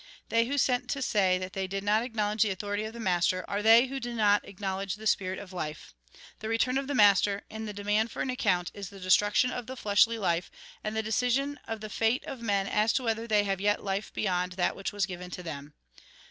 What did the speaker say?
They who sent to say that they did not acknowledge the authority of the master, are they who do not acknowledge the spirit of life. The return of the master, and the demand for an account, is the destruction of fleshly life, and the decision of the fate of men as to whether they have yet life beyond that which was given them.